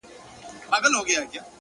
• برايی مي دا زخمي زړه ناکرار کړم,